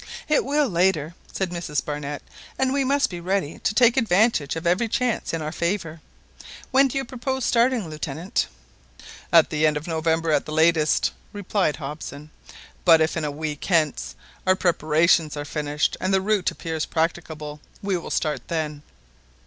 "It will later," said Mrs Barnett, "and we must be ready to take advantage of every chance in our favour. When do you propose starting, Lieutenant?" "At the end of November at the latest," replied Hobson, "but if in a week hence our preparations are finished, and the route appears practicable, we will start then."